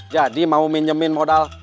jadi mau minjemin modal